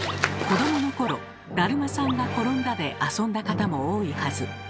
子どもの頃「だるまさんがころんだ」で遊んだ方も多いはず。